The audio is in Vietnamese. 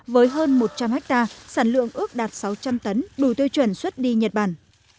với hơn một trăm linh hectare sản lượng ước đạt sáu trăm linh tấn đủ tiêu chuẩn xuất đi nhật bản